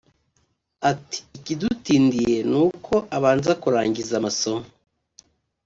Ati “Ikidutindiye ni uko abanza kurangiza amasomo